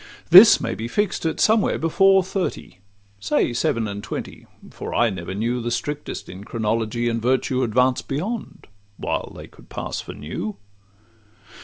This may be fix'd at somewhere before thirty— Say seven and twenty; for I never knew The strictest in chronology and virtue Advance beyond, while they could pass for new.